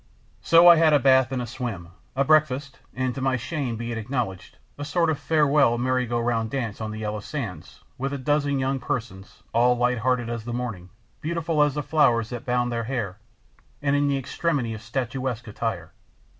So I had a bath and a swim, a breakfast, and, to my shame be it acknowledged, a sort of farewell merry go round dance on the yellow sands with a dozen young persons all light hearted as the morning, beautiful as the flowers that bound their hair, and in the extremity of statuesque attire.